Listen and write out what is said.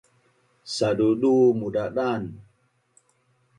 Sadudu mudadan